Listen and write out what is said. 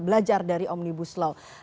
belajar dari omnibus law